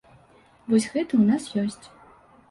Вось гэты ў нас ёсць.